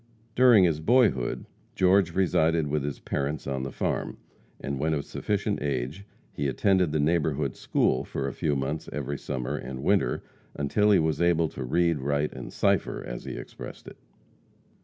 During his boyhood, George resided with his parents on the farm, and when of sufficient age he attended the neighborhood school for a few months every summer and winter until he was able "to read, write and cipher," as he expressed it.